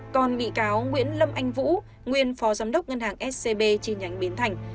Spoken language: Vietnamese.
còn bị cáo nguyễn lâm anh vũ nguyên phó giám đốc ngân hàng scb trên nhánh biến thành